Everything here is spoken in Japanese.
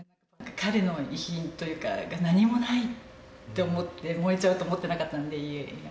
彼の遺品というかが、何もないって思って、燃えちゃうと思ってなかったんで、家が。